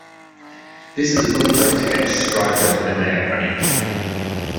This is a good place to catch stripers when they are running.